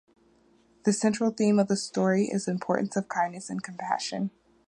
The central theme of the story is the importance of kindness and compassion.